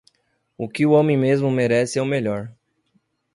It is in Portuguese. O que o homem mesmo merece é o melhor.